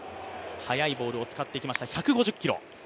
速いボールを使ってきました１５０キロ。